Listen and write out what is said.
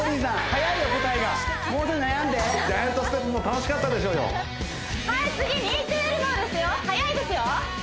速いですよ